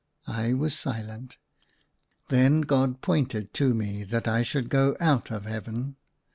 I was silent. Then God pointed to me, that I should go out of Heaven.